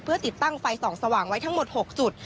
เพื่อติดตั้งไฟส่องสว่างไว้ทั้งหมด๖จุด